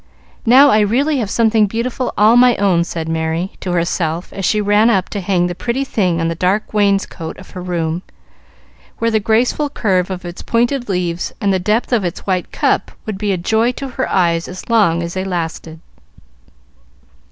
Now, I really have something beautiful all my own," said Merry to herself as she ran up to hang the pretty thing on the dark wainscot of her room, where the graceful curve of its pointed leaves and the depth of its white cup would be a joy to her eyes as long as they lasted.